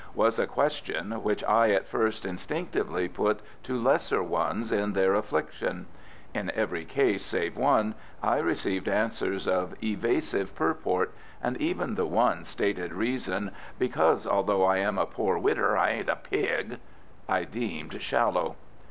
was a question which I at first instinctively put to lesser ones in their affliction. In every case save one I received answers of evasive purport, and even the one stated reason, "Because although I am a poor widder I ain't a pig," I deemed shallow.